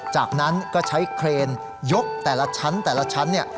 จากนั้นก็ใช้เครนยกแต่ละชั้นนี่